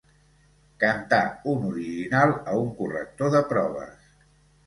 Cantar un original a un corrector de proves.